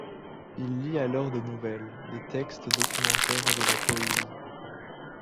Il lit alors des nouvelles, des textes documentaires et de la poésie.